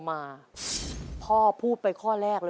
เจ้าชายศิษฐะทรงพนวทที่ริมฝั่งแม่น้ำใด